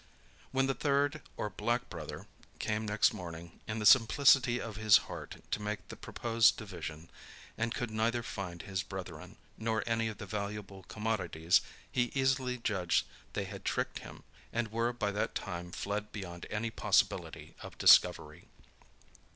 When the third, or black brother, came next morning in the simplicity of his heart to make the proposed division, and could neither find his brethren, nor any of the valuable commodities, he easily judged they had tricked him, and were by that time fled beyond any possibility of discovery.